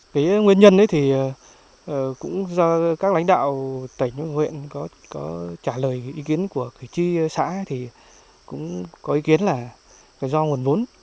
cái nguyên nhân thì cũng do các lãnh đạo tỉnh huyện có trả lời ý kiến của cử tri xã thì cũng có ý kiến là do nguồn vốn